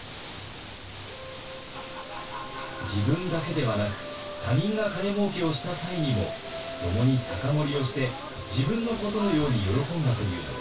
自分だけではなく他人が金もうけをした際にも共に酒盛りをして自分のことのように喜んだというのです。